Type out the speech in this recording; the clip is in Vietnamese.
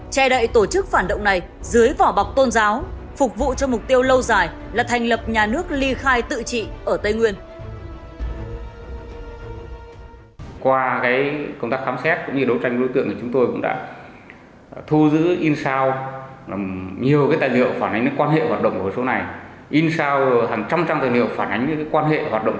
che đậy tổ chức phản động này dưới vỏ bọc tôn giáo phục vụ cho mục tiêu lâu dài là thành lập nhà nước ly khai tự trị ở tây nguyên